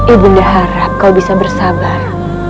ibu undah harap kau bisa bersabar